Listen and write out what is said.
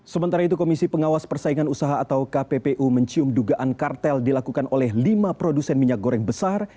sementara itu komisi pengawas persaingan usaha atau kppu mencium dugaan kartel dilakukan oleh lima produsen minyak goreng besar